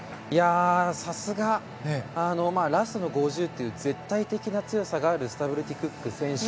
さすがラストの５０という絶対的な強さがあるスタブルティ・クック選手。